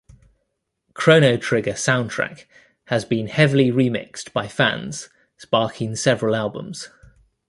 "Chrono Trigger" soundtrack has been heavily remixed by fans, sparking several albums.